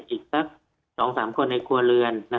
อีกสัก๒๓คนในครัวเรือน